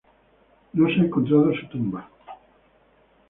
No se ha encontrado su tumba.